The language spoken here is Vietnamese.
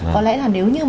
có lẽ là nếu như